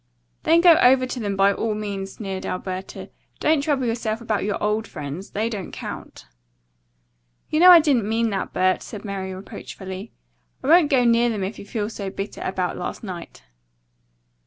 "Then go over to them, by all means," sneered Alberta. "Don't trouble yourself about your old friends. They don't count." "You know I didn't mean that, Bert," said Mary reproachfully. "I won't go near them if you feel so bitter about last night."